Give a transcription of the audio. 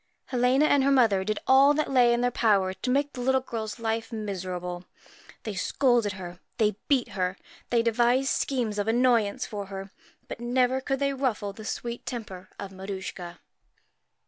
Helena and her mother did all that lay in their power to make the little girl's life miserable. They scolded her, they beat her, they devised schemes of annoyance for her, but never could they ruffle the sweet temper of Maruschka.